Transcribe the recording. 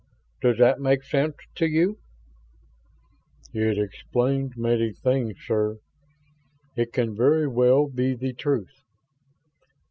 Does that make sense to you?" "It explains many things, sir. It can very well be the truth."